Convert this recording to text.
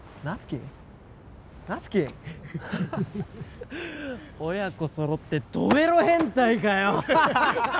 ハハハ親子そろって、ドエロ変態かよ！